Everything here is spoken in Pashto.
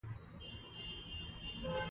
ګرځېدلو کسانو لپاره د مرګ د سزا غوښتل.